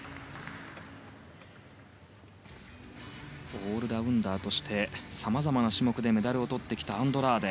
オールラウンダーとしてさまざまな種目でメダルをとってきたアンドラーデ。